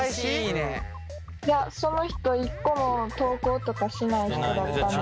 いやその人一個も投稿とかしない人だったので。